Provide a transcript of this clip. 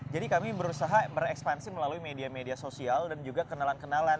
jadi kami berusaha berekspansi melalui media media sosial dan juga kenalan kenalan